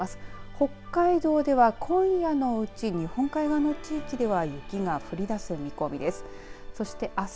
北海道では今夜のうち日本海側の地域では雪が降りだす見込みです。